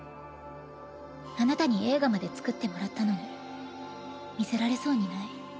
あなたに映画まで作ってもらったのに見せられそうにない。